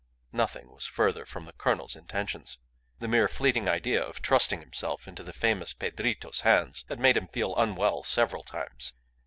Nothing was further from the colonel's intentions. The mere fleeting idea of trusting himself into the famous Pedrito's hands had made him feel unwell several times.